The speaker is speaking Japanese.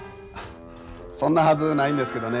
そんなはずないんですけどね。